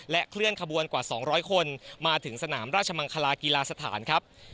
เคลื่อนขบวนกว่า๒๐๐คนมาถึงสนามราชมังคลากีฬาสถานครับ